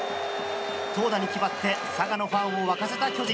投打に気張って佐賀のファンを沸かせた巨人。